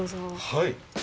はい。